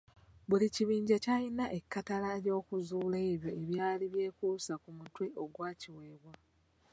Buli kibinja kyalina ekkatala ly’okuzuula ebyo ebyali byekuusa ku mutwe ogwakiweebwa.